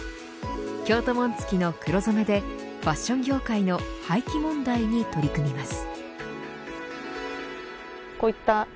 京都紋付の黒染めでファッション業界の廃棄問題に取り組みます。